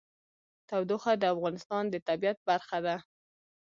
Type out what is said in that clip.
تودوخه د افغانستان د طبیعت برخه ده.